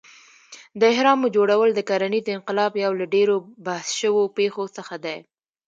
د اهرامو جوړول د کرنیز انقلاب یو له ډېرو بحث شوو پېښو څخه دی.